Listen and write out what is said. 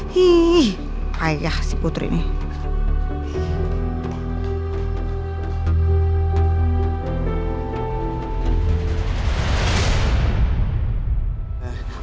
hih ayah si putri nih